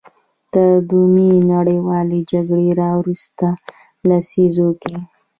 تر دویمې نړیوالې جګړې راوروسته لسیزو کې.